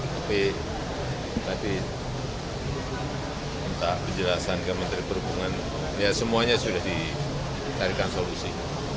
tapi tadi minta penjelasan ke menteri perhubungan ya semuanya sudah dicarikan solusi